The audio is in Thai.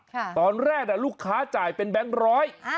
ตอนแรกลูกค้าจ่ายเป็นแบงค์ร้อย